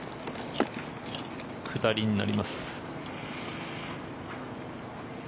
下りになります。